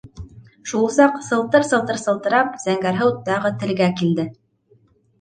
Шул саҡ, сылтыр-сылтыр сылтырап, Зәңгәрһыу тағы телгә килде: